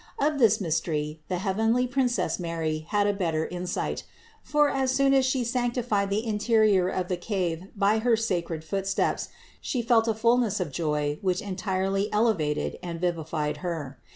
Of this mystery the heavenly Princess Mary had a better insight ; for as soon as She sanctified the interior of the cave by her sacred footsteps She felt a fullness of joy which entirely elevated and vivified Her.